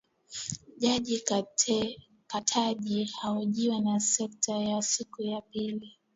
Jaji Ketanji ahojiwa na seneti kwa siku ya pili.